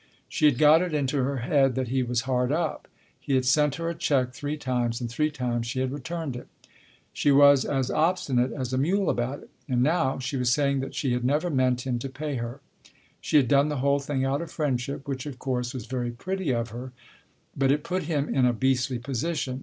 She had got it into her head that he was hard up. He had sent her a cheque three times, and three times she had returned it. She was as obstinate as a mule about it. And now she was saying that she had never meant him to pay her ; she had done the whole thing out of friendship, which, of course, was very pretty of her, but it put him in a beastly position.